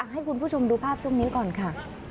ให้คุณผู้ชมดูภาพช่วงนี้ก่อนค่ะ